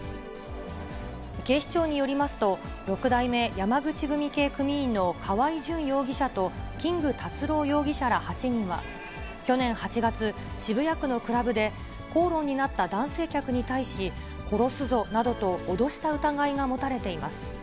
警視庁によりますと、六代目山口組系組員の川合淳容疑者とキング辰朗容疑者ら８人は、去年８月、渋谷区のクラブで、口論になった男性客に対し、殺すぞなどと脅した疑いが持たれています。